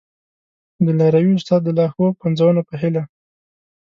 د لاروي استاد د لا ښو پنځونو په هیله!